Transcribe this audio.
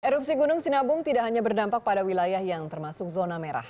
erupsi gunung sinabung tidak hanya berdampak pada wilayah yang termasuk zona merah